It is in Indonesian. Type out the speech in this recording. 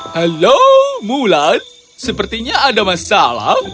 halo bulat sepertinya ada masalah